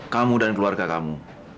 kamu dan keluarga kamu